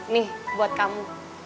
nih buat kamu